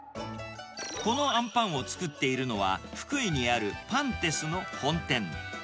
このあんぱんを作っているのは、福井にあるパンテスの本店。